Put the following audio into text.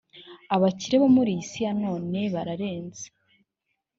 abakire bo muri iyi si ya none bararenze